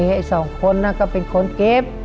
เขาสองคนก็เป็นคนเก็บ